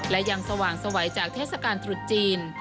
และยังสว่างสวัยจากเทศกาลตรุษจีน